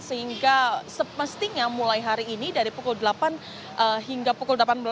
sehingga semestinya mulai hari ini dari pukul delapan hingga pukul delapan belas